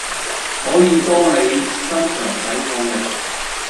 可以幫你增強抵抗力